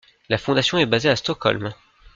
La fondation est basée à Stockholm.